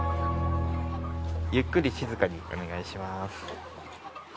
ゆっくり静かにお願いします。